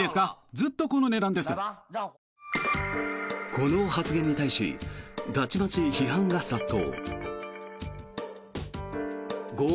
この発言に対したちまち批判が殺到。